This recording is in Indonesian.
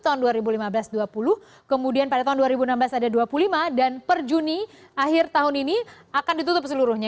tahun dua ribu lima belas dua puluh kemudian pada tahun dua ribu enam belas ada dua puluh lima dan per juni akhir tahun ini akan ditutup seluruhnya